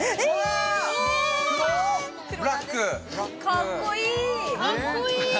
かっこいい！